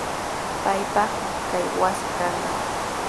Paypaqmi kay wasi kanqa.